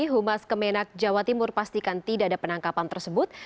humas kemenak jawa timur pastikan tidak ada penangkapan tersebut